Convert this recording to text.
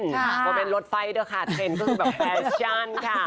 ก็เป็นรถไฟด้วยค่ะเทรนด์ก็คือแบบแฟชั่นค่ะ